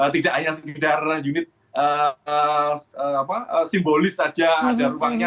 tidak hanya sekedar unit simbolis saja ada ruangnya